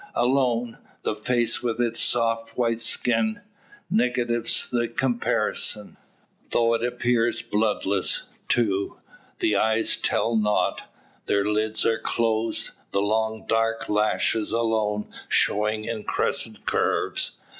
Alone, the face with its soft white skin, negatives the comparison: though it appears bloodless, too. The eyes tell nought; their lids are closed, the long dark lashes alone showing in crescent curves.